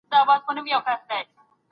یو سړي ؤ په یو وخت کي سپی ساتلی